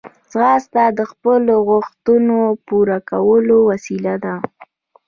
ځغاسته د خپلو غوښتنو پوره کولو وسیله ده